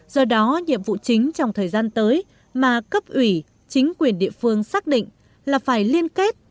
do đó nhiệm vụ chính trong thời gian tới mà cấp ủy chính quyền địa phương xác định là phải liên kết